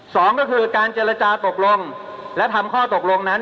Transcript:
สองก็คือการเจรจาตกลงและทำข้อตกลงนั้น